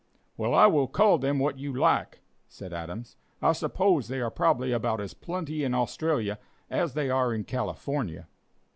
"Well, I will call them what you like," said Adams; "I suppose they are probably about as plenty in Australia as they are in California."